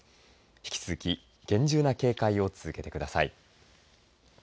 引き続き厳重な警戒を続けてください。